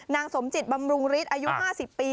สมจิตบำรุงฤทธิ์อายุ๕๐ปี